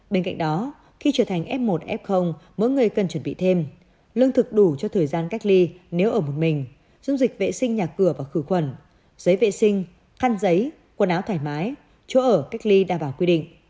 bên cạnh đó khi trở thành f một f mỗi người cần chuẩn bị thêm lương thực đủ cho thời gian cách ly nếu ở một mình dung dịch vệ sinh nhà cửa và khử khuẩn giấy vệ sinh khăn giấy quần áo thoải mái chỗ ở cách ly đảm bảo quy định